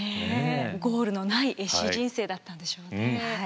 ゴールのない絵師人生だったんでしょうね。